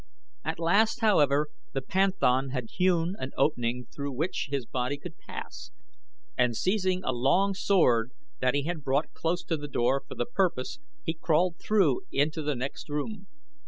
At last, however, the panthan had hewn an opening through which his body could pass, and seizing a long sword that he had brought close to the door for the purpose he crawled through into the next room.